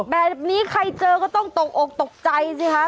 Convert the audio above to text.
แบบนี้ใครเจอก็ต้องตกอกตกใจสิคะ